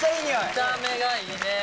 見た目がいいね！